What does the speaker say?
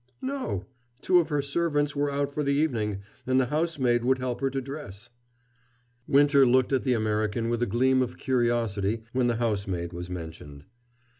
"No. Two of her servants were out for the evening, and the housemaid would help her to dress." Winter looked at the American with a gleam of curiosity when the housemaid was mentioned.